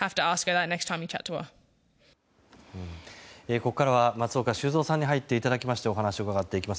ここからは松岡修造さんに入っていただきましてお話を伺っていきます。